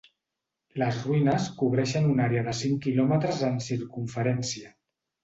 Les ruïnes cobreixen una àrea de cinc quilòmetres en circumferència.